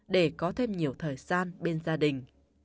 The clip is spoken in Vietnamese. để có thêm nhiều thời gian bên gia đình